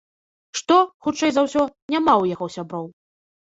Што, хутчэй за ўсё, няма ў яго сяброў.